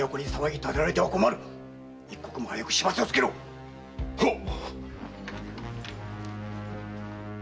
一刻も早く始末をつけろ‼はっ！